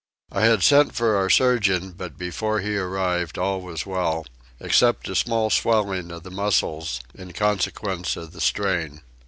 I had sent for our surgeon but before he arrived all was well, except a small swelling of the muscles in consequence of the strain.